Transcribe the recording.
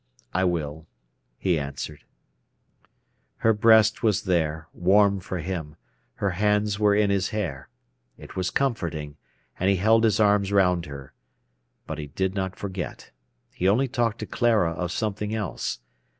"I will," he answered. Her breast was there, warm for him; her hands were in his hair. It was comforting, and he held his arms round her. But he did not forget. He only talked to Clara of something else.